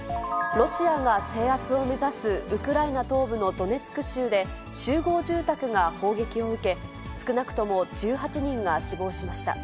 ロシアが制圧を目指すウクライナ東部のドネツク州で、集合住宅が砲撃を受け、少なくとも１８人が死亡しました。